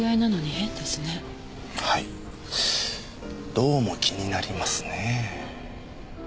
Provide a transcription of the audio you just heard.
どうも気になりますねぇ。